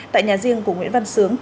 tại nhà riêng của nguyễn văn sướng